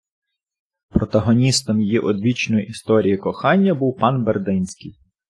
Протагоністом її одвічної історії кохання був пан Бердинський